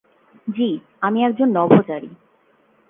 জি, আমি একজন নভোচারী।